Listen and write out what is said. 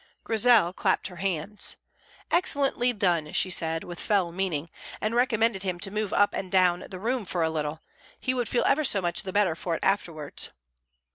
Grizel clapped her hands. "Excellently done!" she said, with fell meaning, and recommended him to move up and down the room for a little; he would feel ever so much the better for it afterwards.